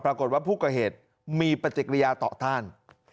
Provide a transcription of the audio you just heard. ปรากฏว่าผู้ก่อเหตุมีปฏิกิริยาต่อต้าน